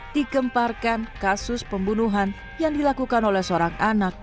dikemparkan kasus pembunuhan yang dilakukan oleh seorang anak